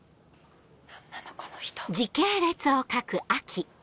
何なのこの人。